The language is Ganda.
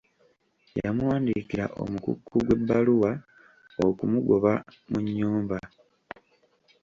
Yamuwandiikira omukuku gw'ebbaluwa okumugoba mu nnyumba.